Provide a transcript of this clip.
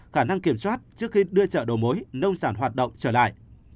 khả năng kiểm soát trước khi đưa chợ đầu mối nông sản hoạt động trở lại